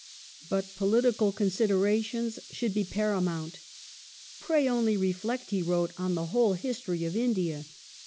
But political considera tions should be paramount. " Pray only reflect," he wrote, " on the whole history of India.